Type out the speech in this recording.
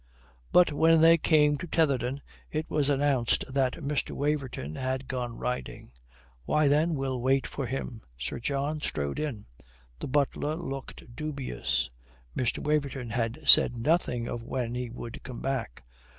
But when they came to Tetherdown it was announced that Mr. Waverton had gone riding. "Why, then we'll wait for him." Sir John strode in. The butler looked dubious. Mr. Waverton had said nothing of when he would come back.